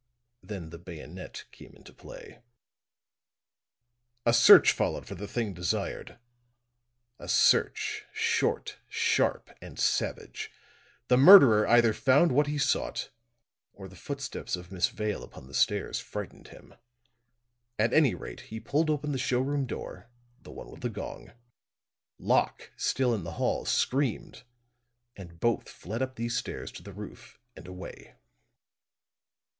Then the bayonet came into play. "A search followed for the thing desired a search, short, sharp and savage. The murderer either found what he sought, or the footsteps of Miss Vale upon the stairs frightened him. At any rate he pulled open the showroom door the one with the gong; Locke, still in the hall, screamed and both fled up these stairs to the roof and away."